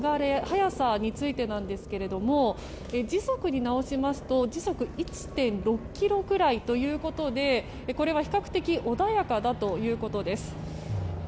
速さについてですが時速に直しますと時速１．６キロくらいということでこれは比較的穏やかだということです。